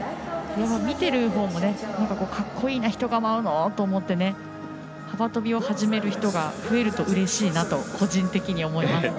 見てるほうもかっこいいな、人が舞うのと思って幅跳びを始める人が増えるとうれしいなと個人的には思いますね。